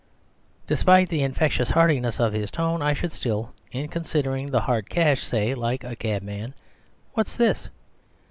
Despite the infectious heartiness of his tone, I should still, in considering the hard cash, say (like a cabman) "Whafs this?"